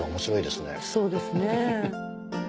そうですね。